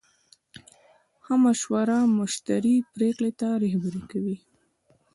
ښه مشوره مشتری پرېکړې ته رهبري کوي.